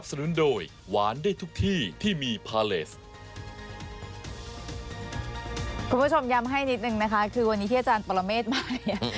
คุณผู้ชมย้ำให้นิดนึงนะคะคือวันนี้ที่อาจารย์ปรเมฆมาเนี่ย